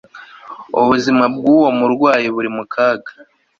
Ubuzima bwuwo murwayi buri mu kaga